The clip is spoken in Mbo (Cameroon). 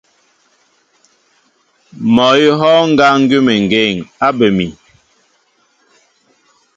Mɔ awʉ̌ a hɔ́ɔ́ŋ ŋgá ŋgʉ́əŋgeŋ á bə mi.